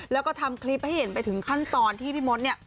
แล้วก็ทำคลิปให้เห็นไปถึงขั้นตอนที่พี่มดเนี่ย